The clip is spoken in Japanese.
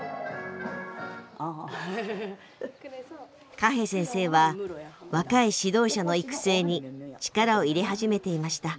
カヘ先生は若い指導者の育成に力を入れ始めていました。